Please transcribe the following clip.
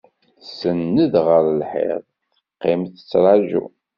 Tsenned ɣer lḥiḍ, teqqim tettraǧu.